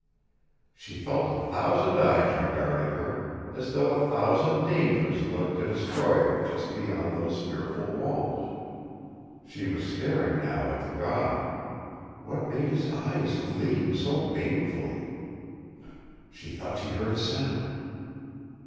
She felt a thousand eyes regarding her, as though a thousand dangers lurked to destroy her just beyond those fearful walls. She was staring now at the god. What made his eyes gleam so banefully? She thought she heard a sound!